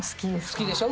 好きでしょ。